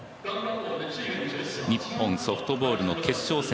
日本、ソフトボールの決勝戦